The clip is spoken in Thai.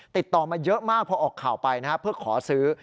ติดต่อมาเยอะมากพอออกข่าวไปนะครับเพื่อขอซื้อ